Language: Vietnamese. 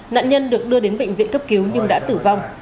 nạn nhân được đưa đến bệnh viện cấp cứu nhưng đã tử vong